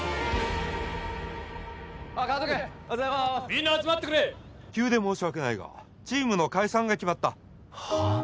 みんな集まってくれ急で申し訳ないがチームの解散が決まったはあ？